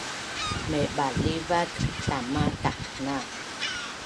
maibalivat tama takna